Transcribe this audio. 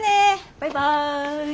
バイバイ。